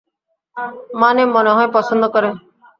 মানে, মনেহয় পছন্দ করে।